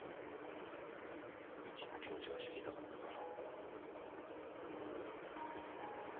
みちの気持ちが知りたかったから。